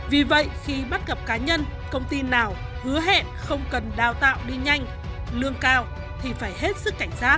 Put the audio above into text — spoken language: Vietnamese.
vì vậy khi bắt gặp cá nhân công ty nào hứa hẹn không cần đào tạo đi nhanh lương cao thì phải hết sức cảnh giác